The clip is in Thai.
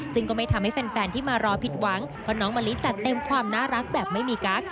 ซึ่งก็ไม่ทำให้แฟนที่มารอผิดหวังเพราะน้องมะลิจัดเต็มความน่ารักแบบไม่มีกั๊ก